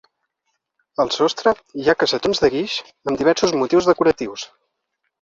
Al sostre hi ha cassetons de guix amb diversos motius decoratius.